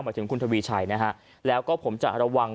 ถึงคุณทวีชัยนะฮะแล้วก็ผมจะระวัง